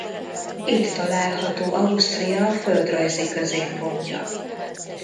Itt található Ausztria földrajzi középpontja.